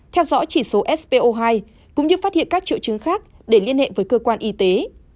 theo dõi chỉ số spo hai cũng như phát hiện các triệu chứng khác để liên hệ với cơ quan y tế